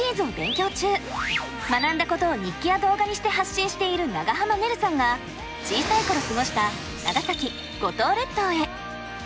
学んだことを日記や動画にして発信している長濱ねるさんが小さい頃過ごした長崎・五島列島へ。